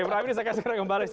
saya kasih rekomendasi